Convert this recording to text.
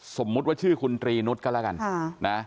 สมมุติว่าชื่อคุณตรีนุษย์ก็แล้วกันนะ